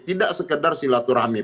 tidak sekedar silaturahmi